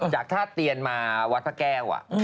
จากท่าเตียนมาวัดพระแก้ว